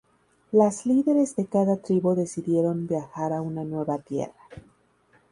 Las líderes de cada tribu decidieron viajar a una nueva tierra.